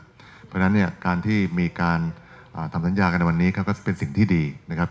เพราะฉะนั้นเนี่ยการที่มีการทำสัญญากันในวันนี้ก็เป็นสิ่งที่ดีนะครับ